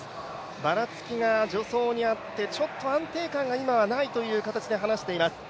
ばらつきが助走にあってちょっと安定感が今はないという形で話しています。